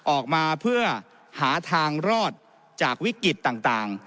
ออกมาเพื่อหาทางรอดจากวิกฤตต่าง